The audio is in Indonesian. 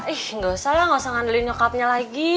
ih gak usah lah gak usah ngandelin nyokapnya lagi